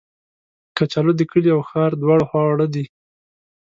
کچالو د کلي او ښار دواړو خواړه دي